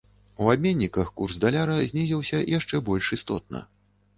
У абменніках курс даляра знізіўся шчэ больш істотна.